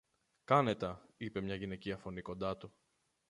Κάνε τα, είπε μια γυναικεία φωνή κοντά του.